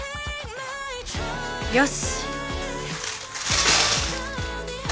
よし。